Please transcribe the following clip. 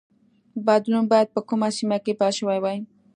بدلون باید په کومه سیمه کې پیل شوی وای